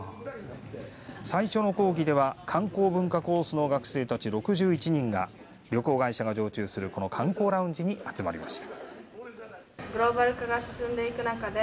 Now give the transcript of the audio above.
最初の講義では観光文化コースの学生たち６１人が旅行会社が常駐する観光ラウンジに集まりました。